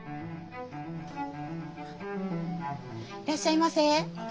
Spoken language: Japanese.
いらっしゃいませ。